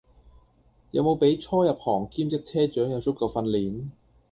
有無俾初入行兼職車長有足夠訓練?